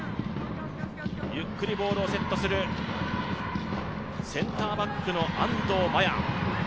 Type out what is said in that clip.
ゆっくりボールをセットするセンターバックの安藤麻耶。